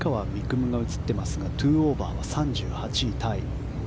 夢が映っていますが２オーバーは３８位タイ。